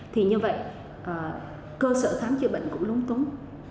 thì như vậy cơ sở khám chữa bệnh cũng lúng túng